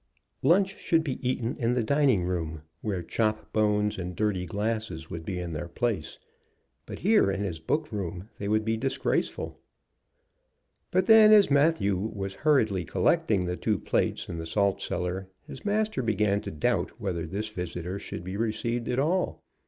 Lunch should be eaten in the dining room, where chop bones and dirty glasses would be in their place. But here in his book room they would be disgraceful. But then, as Matthew was hurriedly collecting the two plates and the salt cellar, his master began to doubt whether this visitor should be received at all.